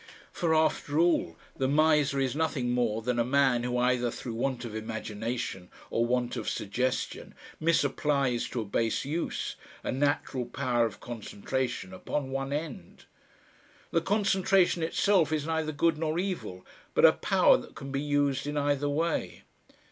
For, after all, the miser is nothing more than a man who either through want of imagination or want of suggestion misapplies to a base use a natural power of concentration upon one end. The concentration itself is neither good nor evil, but a power that can be used in either way.